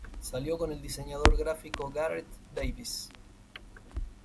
Salió con el diseñador gráfico Gareth Davies.